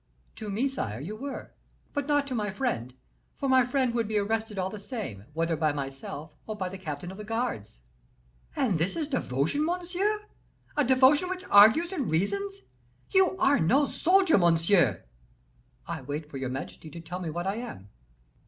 "To me, sire, you were, but not to my friend, for my friend would be arrested all the same, whether by myself or by the captain of the guards." "And this is your devotion, monsieur! a devotion which argues and reasons. You are no soldier, monsieur!" "I wait for your majesty to tell me what I am."